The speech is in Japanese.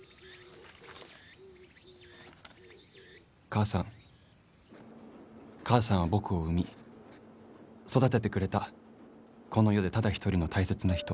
・「母さん母さんは僕を生み育ててくれたこの世でただ一人の大切な人。